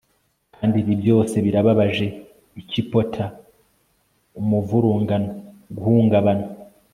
Kandi ibi byose birababaje iki pother umuvurungano guhungabana